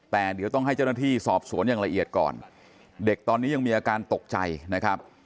แต่เดี๋ยวต้องให้เจ้าหน้าที่สอบสวนอย่างละเอียดก่อนเด็กตอนนี้ยังมีอาการตกใจนะครับ